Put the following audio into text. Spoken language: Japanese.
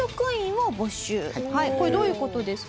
これどういう事ですか？